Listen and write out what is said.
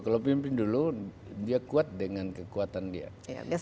kalau pimpin dulu dia kuat dengan kekuatan dia